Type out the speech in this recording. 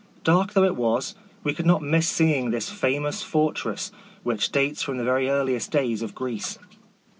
Dark though it was, we could not miss seeing this famous fortress, which dates from the very earliest days of Greece.